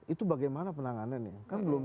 itu bagaimana penanganannya kan belum